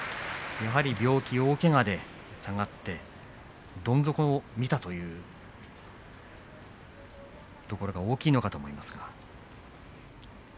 やはり病気、大けがで番付が下がってどん底を見たというその経験が大きいんだと思います。